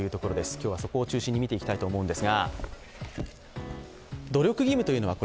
今日は、そこを中心に見ていきたいと思います。